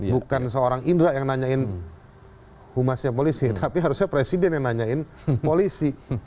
bukan seorang indra yang nanyain humasnya polisi tapi harusnya presiden yang nanyain polisi